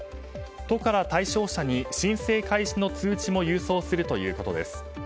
都から対象者に申請開始の通知も郵送するということです。